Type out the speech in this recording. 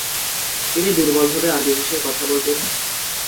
তিনি দুর্বলভাবে আরবী ভাষায় কথা বলতেন।